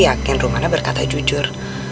jadi ya aku yakin rumana berkata jujur